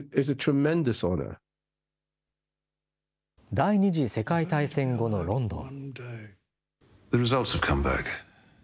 第２次世界大戦後のロンドン。